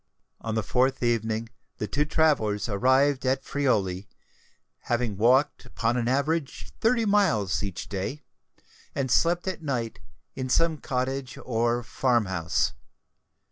On the fourth evening the two travellers arrived at Friuli, having walked upon an average thirty miles each day, and slept at night in some cottage or farm house.